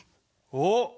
おっ！